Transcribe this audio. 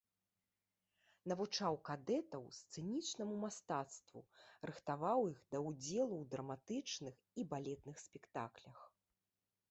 Навучаў кадэтаў сцэнічнаму мастацтву, рыхтаваў іх да удзелу ў драматычных і балетных спектаклях.